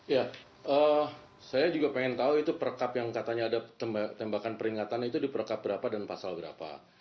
ya saya juga pengen tahu itu perkap yang katanya ada tembakan peringatan itu di perkap berapa dan pasal berapa